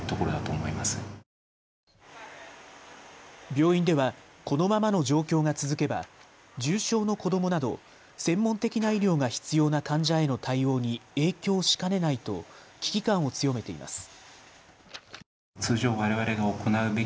病院ではこのままの状況が続けば重症の子どもなど専門的な医療が必要な患者への対応に影響しかねないと危機感を強めています。